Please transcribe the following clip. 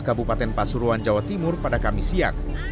kabupaten pasuruan jawa timur pada kamis siang